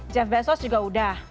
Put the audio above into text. jeff bezos juga udah